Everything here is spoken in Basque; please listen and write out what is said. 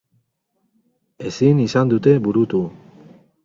Ezin izan dute burutu.